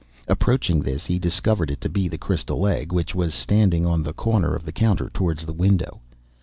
Approaching this, he discovered it to be the crystal egg, which was standing on the corner of the counter towards the window.